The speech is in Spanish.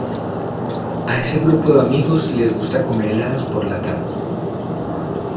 A ese grupo de amigos les gusta comer helados por la tarde.